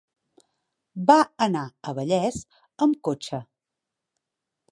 Va anar a Vallés amb cotxe.